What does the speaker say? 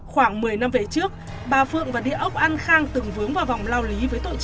khoảng một mươi năm về trước bà phượng và đĩa ốc an khang từng vướng vào vòng lao lý